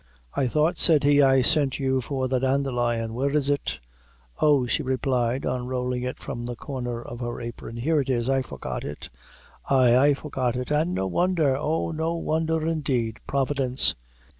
"I thought," said he, "I sent you for the dandelion; where is it?" "Oh," she replied, unrolling it from the corner of her apron, "here it is I forgot it ay, I forgot it and no wondher oh, no wondher, indeed! Providence!